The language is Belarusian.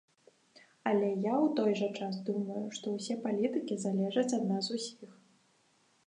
Але я ў той жа час думаю, што ўсе палітыкі залежаць ад нас усіх.